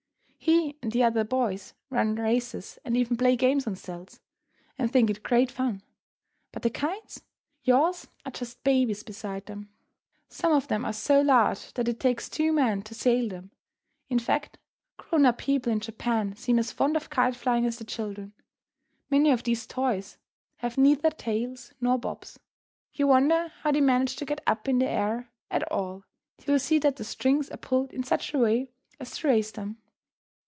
He and the other boys run races and even play games on stilts, and think it great fun. But the kites! Yours are just babies beside them. Some of them are so large that it takes two men to sail them. In fact, grown up people, in Japan, seem as fond of kite flying as the children. Many of these toys have neither tails nor bobs. You wonder how they manage to get up in the air at all, till you see that the strings are pulled in such a way as to raise them.